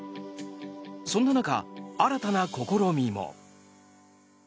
そんな中、新たな試みも。